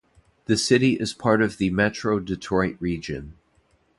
The city is part of the Metro Detroit region.